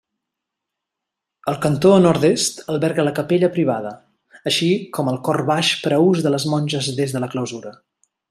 El cantó nord-oest alberga la capella privada, així com el cor baix per a ús de les monges des de la clausura.